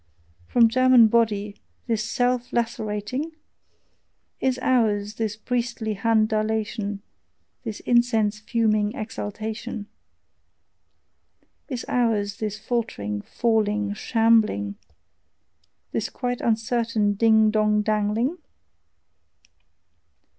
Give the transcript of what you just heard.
From German body, this self lacerating? Is ours this priestly hand dilation, This incense fuming exaltation? Is ours this faltering, falling, shambling, This quite uncertain ding dong dangling?